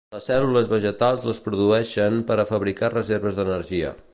Les cèl·lules vegetals les produïxen per a fabricar reserves d'energia.